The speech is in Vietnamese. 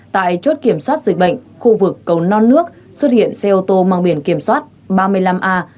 tại chốt kiểm soát dịch bệnh khu vực cầu non nước xuất hiện xe ô tô mang biển kiểm soát ba mươi năm a hai mươi hai nghìn hai trăm chín mươi